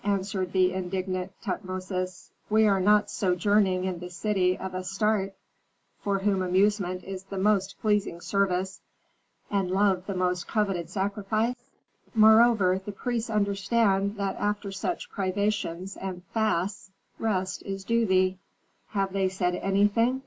answered the indignant Tutmosis. "Are we not sojourning in the city of Astarte, for whom amusement is the most pleasing service, and love the most coveted sacrifice? Moreover the priests understand that after such privations and fasts rest is due thee." Astaroth. "Have they said anything?"